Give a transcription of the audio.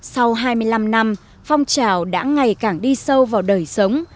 sau hai mươi năm năm phong trào đã ngày càng đi sâu vào đời sống